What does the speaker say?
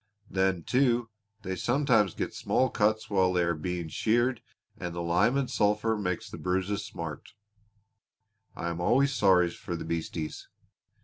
Then, too, they sometimes get small cuts while they are being sheared and the lime and sulphur makes the bruises smart. I am always sorry for the beasties.